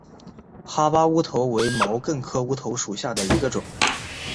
哈巴乌头为毛茛科乌头属下的一个种。